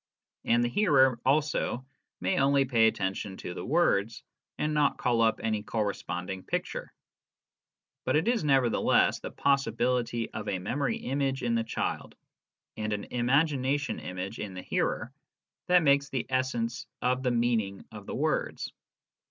And the hearer also may only pay attention to the words, and not call up any corresponding picture. But it is nevertheless the possibility of a memory image in the child and an imagination image in the hearer that makes the essence of the " meaning " of the words.